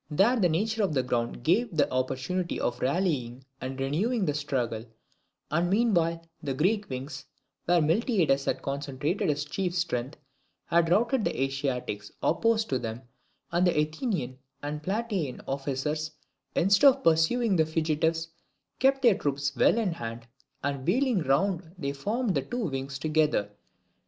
There the nature of the ground gave the opportunity of rallying and renewing the struggle: and meanwhile, the Greek wings, where Miltiades had concentrated his chief strength, had routed the Asiatics opposed to them; and the Athenian and Plataean officers, instead of pursuing the fugitives, kept their troops well in hand, and wheeling round they formed the two wings together.